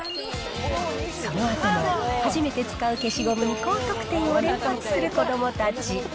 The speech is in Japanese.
そのあとも初めて使う消しゴムに高得点を連発する子どもたち。